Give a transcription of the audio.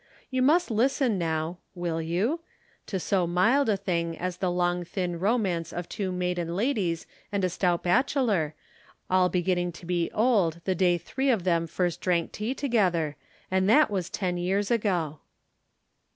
You must listen now (will you?) to so mild a thing as the long thin romance of two maiden ladies and a stout bachelor, all beginning to be old the day the three of them first drank tea together, and that was ten years ago.